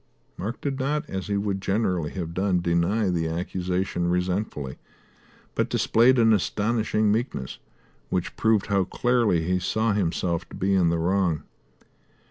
Mark did not, as he would generally have done, deny the accusation resentfully, but displayed an astonishing meekness, which proved how clearly he saw himself to be in the wrong.